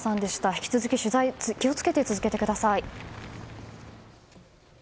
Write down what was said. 引き続き、気を付けて取材を続けてください。